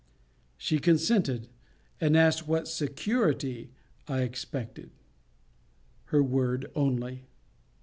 She consented; and asked what security I expected? Her word only.